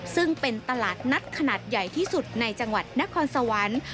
ซึ่งเป็นตลาดนัดขนาดใหญ่ที่สุดในจังหวัดนครสวรรค์